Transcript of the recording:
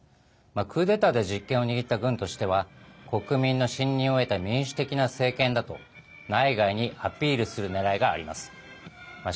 クーデターで実権を握った軍としては、国民の信任を得た民主的な政権だと内外にアピールするねらいがあります。